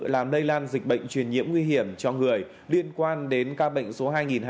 làm lây lan dịch bệnh truyền nhiễm nguy hiểm cho người liên quan đến ca bệnh số hai hai trăm bảy mươi tám